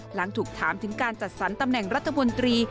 หลังถูกถามถึงการจัดสรรตำแหน่งรัฐมนตรี